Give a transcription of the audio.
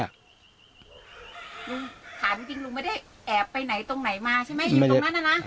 หาบิงบิงลุงไม่ได้แอบไปไหนตรงไหนมาใช่ไหม